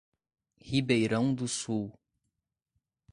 Ribeirão do Sul